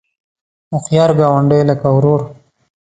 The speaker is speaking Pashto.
هوښیار ګاونډی لکه ورور